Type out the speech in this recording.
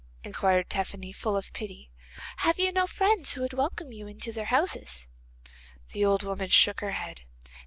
inquired Tephany, full of pity. 'Have you no friends who would welcome you into their houses?' The old woman shook her head.